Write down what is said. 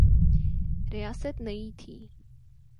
ریاست نئی تھی۔